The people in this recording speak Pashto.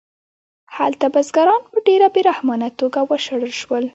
هلته بزګران په ډېره بې رحمانه توګه وشړل شول